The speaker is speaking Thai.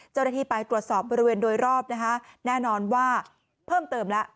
เจ้าหน้าที่ไปตรวจสอบบริเวณโดยรอบนะคะแน่นอนว่าเพิ่มเติมแล้ว